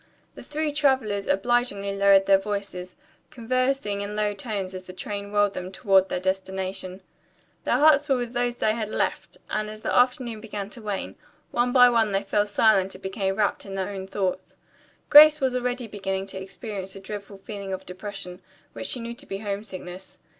The three travelers obligingly lowered their voices, conversing in low tones, as the train whirled them toward their destination. Their hearts were with those they had left, and as the afternoon began to wane, one by one they fell silent and became wrapped in their own thoughts. Grace was already beginning to experience a dreadful feeling of depression, which she knew to be homesickness.